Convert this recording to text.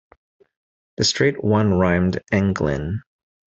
The straight one-rhymed englyn.